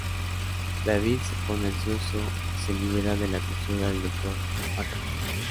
David se pone ansioso y se libera de la custodia del Dr. McCabe.